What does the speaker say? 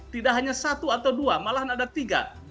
tidak hanya satu atau dua malahan ada tiga